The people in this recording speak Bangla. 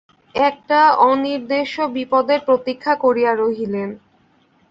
একটা অনির্দেশ্য বিপদের প্রতীক্ষা করিয়া রহিলেন।